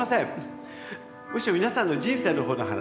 むしろ皆さんの人生のほうの話。